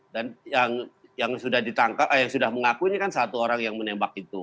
dan yang sudah ditangkap yang sudah mengakuinya kan satu orang yang menembak itu